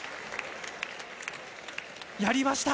やりました。